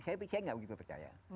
saya nggak begitu percaya